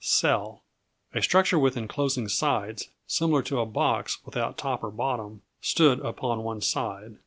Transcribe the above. Cell A structure with enclosing sides similar to a box without top or bottom stood upon one side.